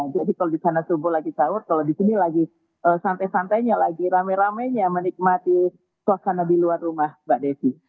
jadi kalau disana subuh lagi sahur kalau disini lagi santai santainya lagi rame ramenya menikmati suasana di luar rumah mbak desi